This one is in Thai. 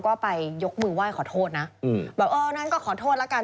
ก็ไปยกมือไหว้ขอโทษนะอืมบอกเอองั้นก็ขอโทษแล้วกัน